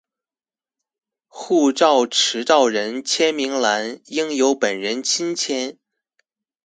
護照持照人簽名欄應由本人親簽